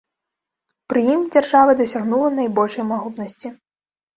Пры ім дзяржава дасягнула найбольшай магутнасці.